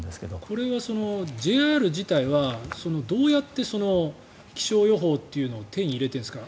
これはＪＲ自体はどうやって気象予報というのを手に入れているんですか？